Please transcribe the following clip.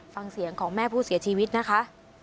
ฟังเสียงของแม่ผู้เสียชีวิตนะคะ